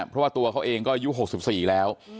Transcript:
พันให้หมดตั้ง๓คนเลยพันให้หมดตั้ง๓คนเลย